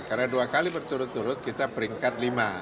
karena dua kali berturut turut kita peringkat lima